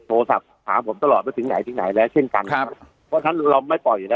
โทรศัพท์หาผมตลอดไปถึงไหนถึงไหนแล้วเช่นกันครับเพราะฉะนั้นเราไม่ปล่อยนะ